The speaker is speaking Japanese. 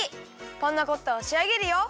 パンナコッタをしあげるよ！